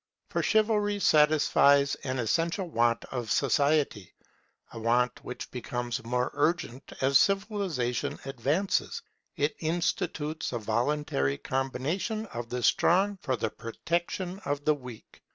For Chivalry satisfies an essential want of society, a want which becomes more urgent as civilization advances; it institutes a voluntary combination of the strong for the protection of the weak.